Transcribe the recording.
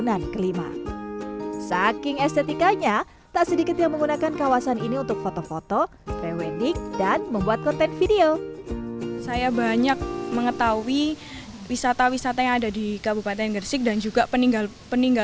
al high christine waktu sebelum selesai kembali nelson elmond ke tahun seribu sembilan ratus delapan puluh beliau perasashi